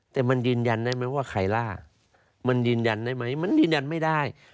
แต่มันยืนยันได้ไหมว่าใครล่ามันยืนยันได้ไหมมันยืนยันไม่ได้